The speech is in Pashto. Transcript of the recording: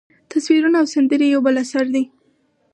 تصویرونه او سندرې یو بل اثر دی.